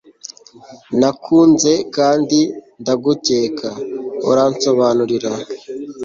nakunze kandi ndagukeka, uransobanurira